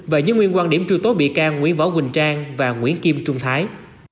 và giữ nguyên quan điểm truy tố bị can nguyễn võ quỳnh trang và nguyễn kim trung thái